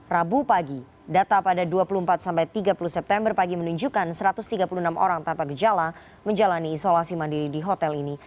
rabu pagi data pada dua puluh empat sampai tiga puluh september pagi menunjukkan satu ratus tiga puluh enam orang tanpa gejala menjalani isolasi mandiri di hotel ini